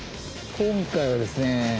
今回はですね